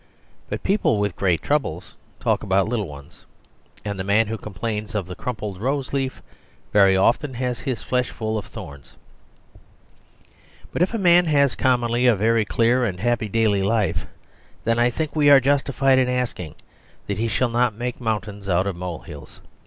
But people with great troubles talk about little ones, and the man who complains of the crumpled rose leaf very often has his flesh full of the thorns. But if a man has commonly a very clear and happy daily life then I think we are justified in asking that he shall not make mountains out of molehills.